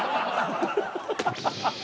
アハハハ！